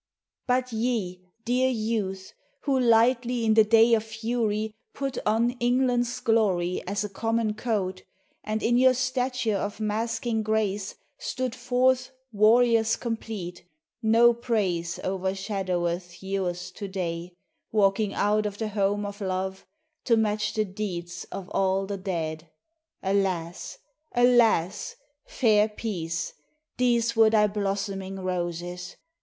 But ye, dear Youth, who lightly in the day of fury Put on England's glory as a common coat, And in your stature of masking grace Stood forth warriors complete, No praise o'ershadoweth yours to day, Walking out of the home of love To match the deeds of all the dead. Alas! alas! fair Peace, These were thy blossoming roses.